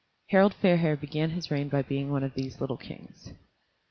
Harald Fairhair began his reign by being one of these little kings.